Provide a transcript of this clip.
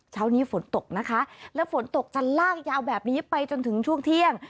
เช้านี้ฝนตกนะคะและฝนตกจะลากยาวแบบนี้ไปจนถึงช่วงเที่ยง